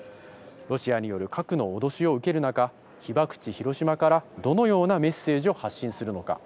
ロシアによる核の脅しを受ける中、被爆地・広島からどのようなメッセージを発信するのか。